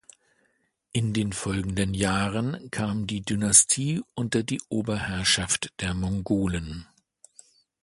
In den folgenden Jahren kam die Dynastie unter die Oberherrschaft der Mongolen.